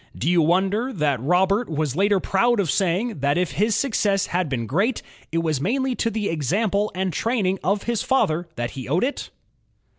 Do you wonder that Robert was later STCDVING lOGETHES proud of saying that if his success had been great, it was mainly to the example and training of his father that he owed it?